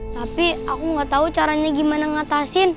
tapi aku nggak tahu caranya gimana ngatasin